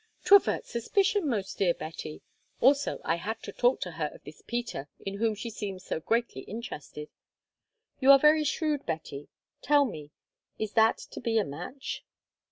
"To avert suspicion, most dear Betty. Also I had to talk to her of this Peter, in whom she seems so greatly interested. You are very shrewd, Betty—tell me, is that to be a match?"